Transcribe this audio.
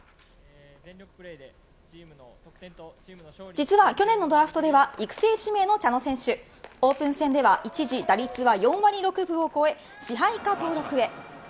実は去年のドラフトでは育成指名の茶野選手オープン戦では一時打率は４割６分を超え支配下登録へ。